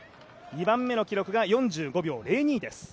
２番目の記録が４５秒０２です。